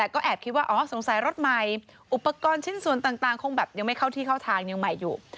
ก็แอบคิดว่าอ๋อสงสัยรถใหม่อุปกรณ์ชิ้นส่วนต่างคงแบบยังไม่เข้าที่เข้าทางยังใหม่อยู่